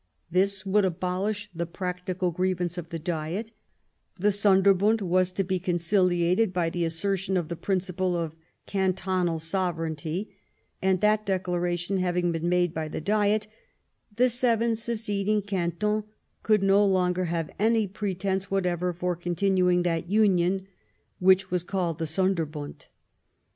This would abolish the practical grievance of the Diet, the Sonderbund was to be con ciliated by the assertion of the principle of can* tonal sovereignty, and that declaration having been made by the Diet, the seven seceding cantons could no longer have any pretence whatever for continuing that union which was called the Sonderbund.